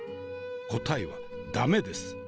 答えはダメです！